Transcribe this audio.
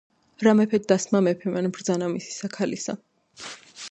რა მეფედ დასმა მეფემან ბრძანა მისისა ქალისა,